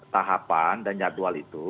tahapan dan jadwal itu